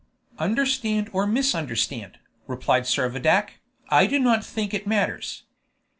"Understand or misunderstand," replied Servadac, "I do not think it matters.